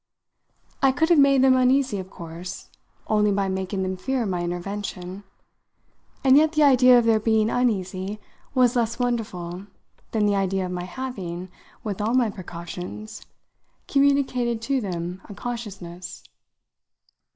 I could have made them uneasy, of course, only by making them fear my intervention; and yet the idea of their being uneasy was less wonderful than the idea of my having, with all my precautions, communicated to them a consciousness.